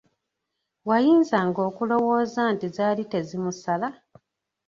Wayinzanga okulowooza nti zaali tezimusala!